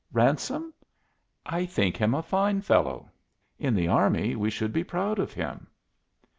Ransome? I think him a fine fellow. In the army we should be proud of him."